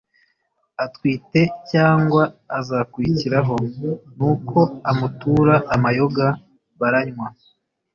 atwite cyangwa uzakurikiraho."nuko amutura amayoga, baranywa,